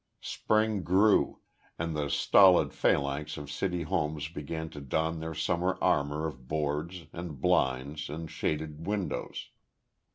Spring grew; and the stolid phalanx of city homes began to don their summer armor of boards, and blinds and shaded windows.